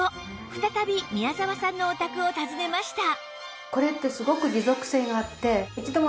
再び宮澤さんのお宅を訪ねました